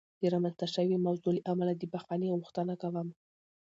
د رامنځته شوې موضوع له امله د بخښنې غوښتنه کوم.